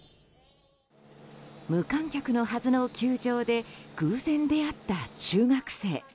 無観客のはずの球場で偶然出会った中学生。